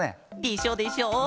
でしょ！でしょ！